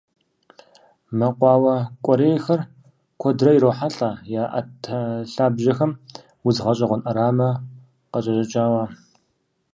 Мэкъуауэ кӏуэрейхэр куэдрэ ирохьэлӏэ я ӏэтэ лъабжьэхэм удз гъэщӏэгъуэн ӏэрамэ къыкӏэщӏэкӏауэ.